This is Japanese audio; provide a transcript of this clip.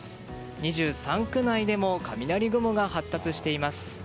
２３区内でも雷雲が発達しています。